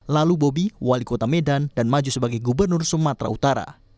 lalu bobi wali kota medan dan maju sebagai gubernur sumatera utara